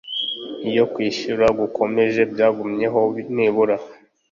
iyo kwishyura gukomeje byagumyeho nibura